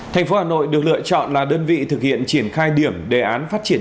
thành phố hà nội được lựa chọn là đơn vị thực hiện triển khai điểm đề án phát triển